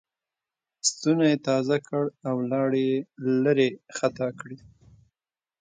ستونی یې تازه کړ او لاړې یې لېرې خطا کړې.